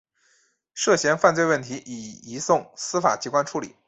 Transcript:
涉嫌犯罪问题已移送司法机关处理。